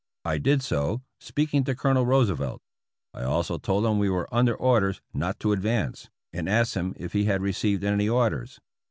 I did so, speaking to Colonel Roosevelt. I also told him we were under orders not to advance, and asked him if he had received any orders.